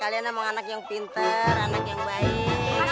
kalian namanya anak yang pinter anak yang baik